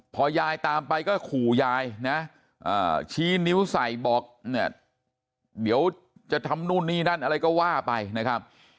พอยายตามไปก็ขู่ยายนะชี้นิ้วใส่บอกเนี่ยเดี๋ยวจะทำนู่นนี่นั่นอะไรก็ว่าไปนะครับ